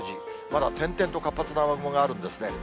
まだ点々と活発な雨雲があるんですね。